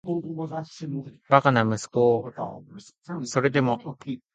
バカな息子をーーーーそれでも愛そう・・・